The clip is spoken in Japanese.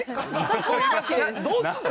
どうすんの？